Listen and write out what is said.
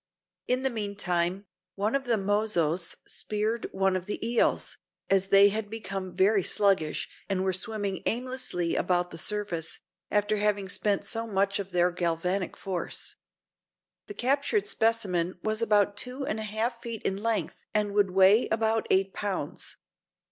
In the meantime, one of the mozos speared one of the eels, as they had become very sluggish and were swimming aimlessly about the surface, after having spent so much of their galvanic force. The captured specimen was about two and a half feet in length and would weigh about eight pounds.